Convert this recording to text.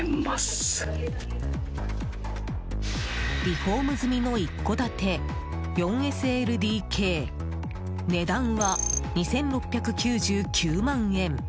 リフォーム済みの一戸建て４ＳＬＤＫ値段は、２６９９万円。